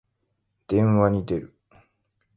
電話に出る。